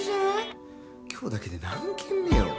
今日だけで何件目よ？